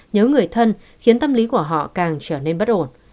nhớ người thân khiến tâm lý của họ càng trở nên bất ổn